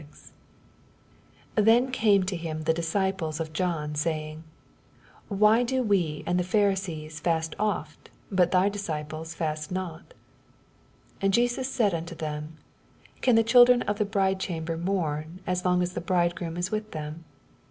14 Then came to him the disciples of John, sa^ng, Why do we and the Pharisees fast oft, hut thy disciples fast not ? 15 And Jesns said unto them, Can the children of the hridechamber mourn, as long as the bride^oom is with tnem